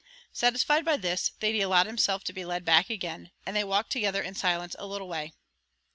Satisfied by this, Thady allowed himself to be led back again; and they walked together in silence a little way.